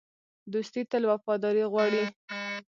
دوستي تل وفاداري غواړي.